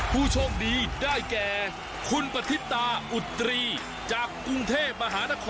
ผู้โชคดีได้แก่คุณปฏิตาอุตรีจากกรุงเทพมหานคร